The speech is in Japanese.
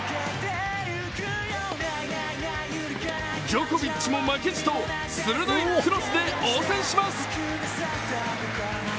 ジョコビッチも負けじと鋭いクロスで応戦します。